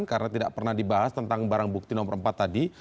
karena tidak pernah dibahas tentang barang bukti nomor empat tadi